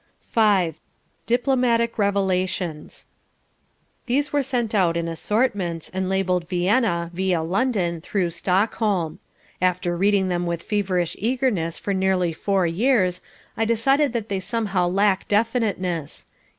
V DIPLOMATIC REVELATIONS These were sent out in assortments, and labelled Vienna, via London, through Stockholm. After reading them with feverish eagerness for nearly four years, I decided that they somehow lack definiteness.